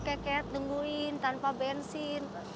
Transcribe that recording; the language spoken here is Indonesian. keke tunggu tanpa bensin